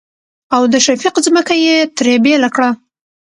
او د شفيق ځمکه يې ترې بيله کړه.